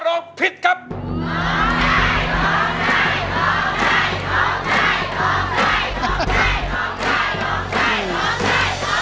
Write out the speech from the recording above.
ใจจะขาดแล้วเอ้ย